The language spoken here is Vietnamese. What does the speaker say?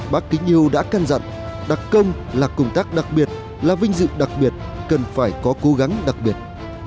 bác kính yêu đã can dặn đặc công là công tác đặc biệt là vinh dự đặc biệt cần phải có cố gắng đặc biệt